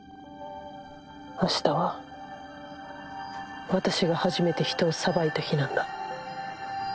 明日は私が初めて人を裁いた日なんだ。